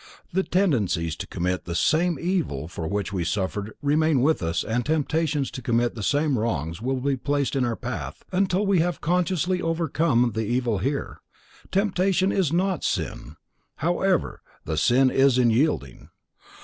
The tendencies to commit the same evil for which we suffered remain with us and temptations to commit the same wrongs will be placed in our path until we have consciously overcome the evil here; temptation is not sin, however, the sin is in yielding.